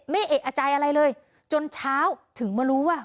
เอกอใจอะไรเลยจนเช้าถึงมารู้ว่า